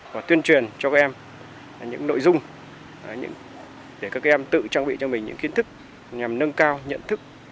và tuyên truyền cho các em những nội dung để các em tự trang bị cho mình những kiến thức nhằm nâng cao nhận thức